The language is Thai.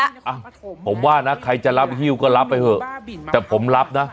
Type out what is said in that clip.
อ่ะผมว่านะใครจะรับฮิ้วก็รับไปเถอะแต่ผมรับนะ